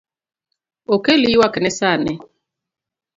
Okel yuakne sani